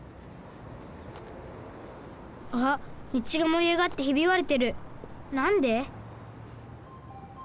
あっみちがもりあがってひびわれてるなんで？